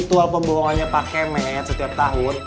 ini ritual pembohongannya pak kemet setiap tahun